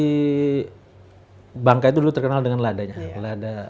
di hutangnya dulu terkenal dengan ladanya